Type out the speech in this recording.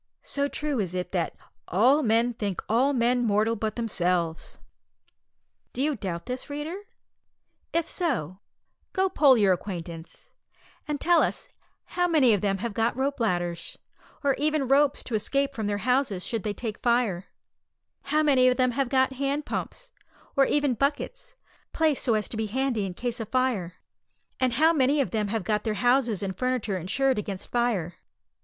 So true is it that, "all men think all men mortal but themselves!" Do you doubt this, reader? If so, go poll your acquaintance, and tell us how many of them have got rope ladders, or even ropes, to escape from their houses should they take fire; how many of them have got hand pumps, or even buckets, placed so as to be handy in case of fire; and how many of them have got their houses and furniture insured against fire.